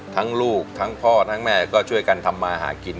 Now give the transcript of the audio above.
ลูกทั้งพ่อทั้งแม่ก็ช่วยกันทำมาหากิน